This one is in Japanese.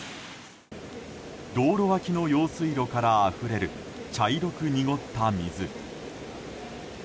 道路脇の用水路からあふれる茶色く濁った水。